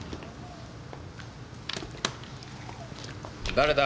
誰だ？